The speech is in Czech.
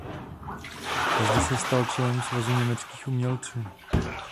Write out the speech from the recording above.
Zde se stal členem Svazu německých umělců.